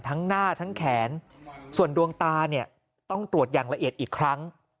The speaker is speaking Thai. ทั้งหน้าทั้งแขนส่วนดวงตาเนี่ยต้องตรวจอย่างละเอียดอีกครั้ง